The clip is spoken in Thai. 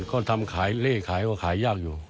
ก็ทำขายเล่ขายก็ขายยากอยู่